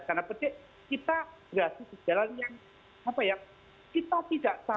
karena penting kita berhasil sejalan yang apa ya kita tidak tahu